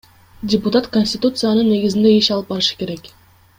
Депутат Конституциянын негизинде иш алып барышы керек.